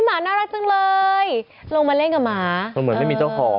หมาน่ารักจังเลยลงมาเล่นกับหมามันเหมือนไม่มีเจ้าของ